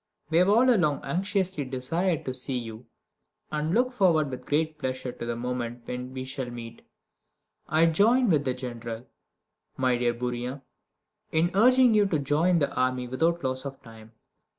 We have all along anxiously desired to see you, and look forward with great pleasure to the moment when we shall meet. I join with the General, my dear Bourrienne, in urging you to join the army without loss of time.